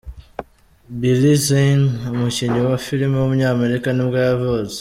Billy Zane, umukinnyi wa filime w’umunyamerika nibwo yavutse.